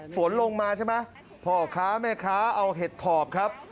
ฝนลงม่าใช่ไหมพ่อข้าม่ายขาอาวเห็ดทอบครับ